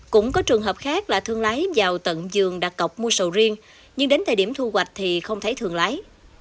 cũng có trường hợp khác là thương lái vào tận giường đặt cọc mua sầu riêng nhưng đến thời điểm thu hoạch thì không thấy thương lái